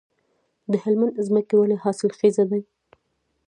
د هلمند ځمکې ولې حاصلخیزه دي؟